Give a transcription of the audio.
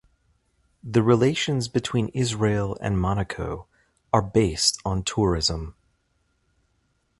The relations between Israel and Monaco are based on tourism.